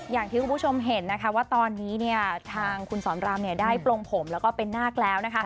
อย่างที่คุณผู้ชมเห็นนะคะว่าตอนนี้ทางคุณสอนรามได้ปลงผมแล้วก็เป็นนาคแล้วนะคะ